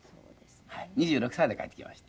２６歳で帰ってきました。